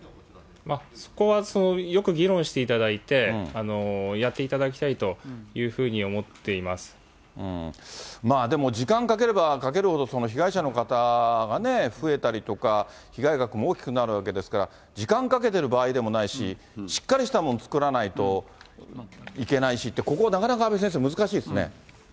そこはよく議論していただいて、やっていただきたいというふまあでも、時間かければかけるほど、被害者の方が増えたりとか、被害額も大きくなるわけですから、時間かけてる場合でもないし、しっかりしたもの作らないといけないしって、ここなかなか阿部先生、難しいですね。